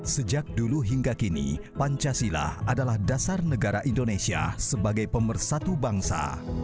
sejak dulu hingga kini pancasila adalah dasar negara indonesia sebagai pemersatu bangsa